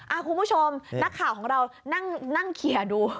คุณผู้ชมนักข่าวของเรานั่งเคลียร์ดู